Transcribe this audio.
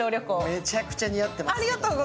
めちゃくちゃ似合ってます。